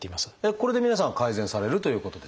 これで皆さん改善されるということですか？